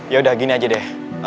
yaudah gini aja deh